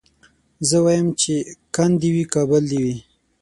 زه وايم چي کند دي وي کابل دي وي